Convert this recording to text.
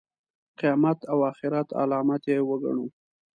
د قیامت او آخرت علامت یې وګڼو.